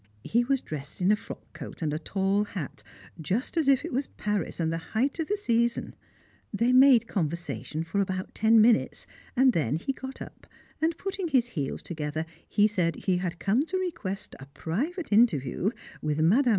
He was dressed in a frock coat and a tall hat, just as if it was Paris and the height of the season. They made conversation for about ten minutes, and then he got up and, putting his heels together, he said he had come to request a private interview with Mme.